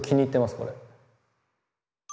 これ。